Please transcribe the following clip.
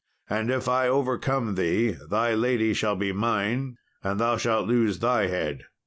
And if I overcome thee thy lady shall be mine, and thou shalt lose thy head."